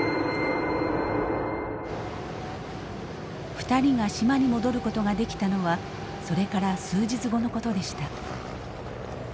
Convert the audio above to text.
２人が島に戻ることができたのはそれから数日後のことでした。